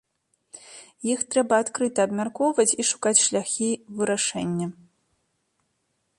Іх трэба адкрыта абмяркоўваць і шукаць шляхі вырашэння.